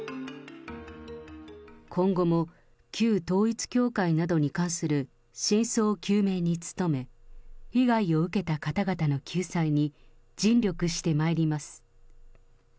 今後も旧統一教会などに関する真相究明に努め、被害を受けた方々の救済に尽力してまいります。